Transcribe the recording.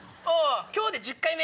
今日で１０回目。